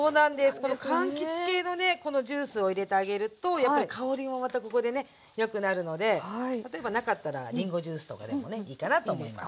このかんきつ系のねこのジュースを入れてあげるとやっぱり香りもまたここでねよくなるので例えばなかったらりんごジュースとかでもねいいかなと思います。